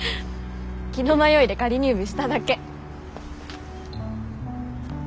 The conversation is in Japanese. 気の迷いで仮入部しただけ。